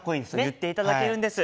言っていただけるんです。